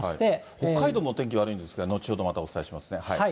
北海道もお天気悪いんですが、後ほどまたお伝えしますね。